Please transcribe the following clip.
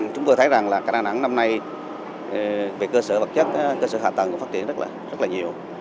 chúng tôi thấy rằng là cả đà nẵng năm nay về cơ sở vật chất cơ sở hạ tầng cũng phát triển rất là nhiều